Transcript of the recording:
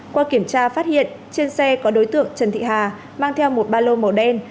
qua kiểm tra phát hiện trên xe có đối tượng trần thị hà mang theo một ba lô màu đen